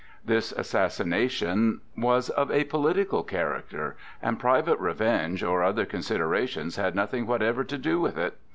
This assassination was of a political character, and private revenge or other considerations had nothing whatever to do with it.